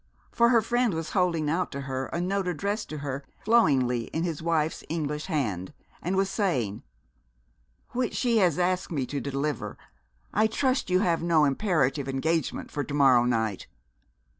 For her friend was holding out to her a note addressed to her flowingly in his wife's English hand, and was saying, " which she has asked me to deliver. I trust you have no imperative engagement for to morrow night."